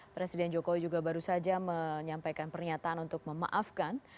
presiden jokowi juga baru saja menyampaikan pernyataan untuk memaafkan